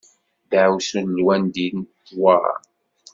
Ddaɛwessu n lwaldin tewɛeṛ.